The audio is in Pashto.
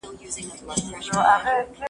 ته ولي مړۍ پخوې.